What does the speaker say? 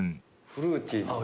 フルーティーな。